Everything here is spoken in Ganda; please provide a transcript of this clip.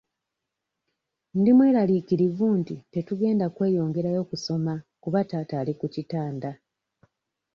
Ndi mweraliikirivu nti tetugenda kweyongerayo kusoma kuba taata ali ku kitanda.